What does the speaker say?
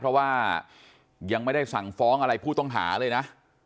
เพราะว่ายังไม่ได้สั่งฟ้องอะไรผู้ต้องหาเลยนะ